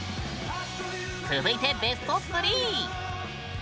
続いてベスト３！